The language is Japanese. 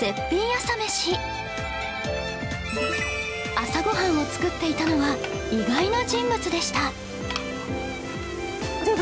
朝ご飯を作っていたのは意外な人物でした